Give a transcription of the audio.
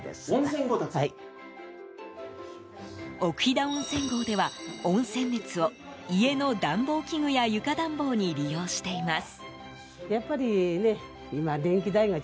奥飛騨温泉郷では、温泉熱を家の暖房器具や床暖房に利用しています。